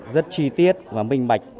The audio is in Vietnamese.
rất chi tiết và minh bạch